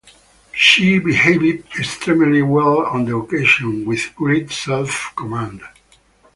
She behaved extremely well on the occasion, with great self-command.